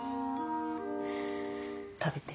食べて。